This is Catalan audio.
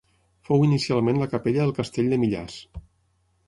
Fou inicialment la capella del castell de Millars.